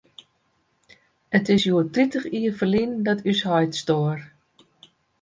It is hjoed tritich jier ferlyn dat ús heit stoar.